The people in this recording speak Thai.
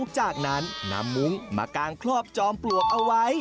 จากนั้นนำมุ้งมากางครอบจอมปลวกเอาไว้